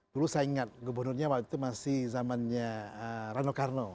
dulu saya ingat gubernurnya waktu itu masih zamannya rano karno